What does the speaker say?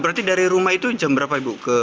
berarti dari rumah itu jam berapa ibu